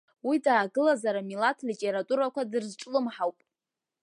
Уи даагылазар амилаҭ литературақәа дрызҿлымҳауп.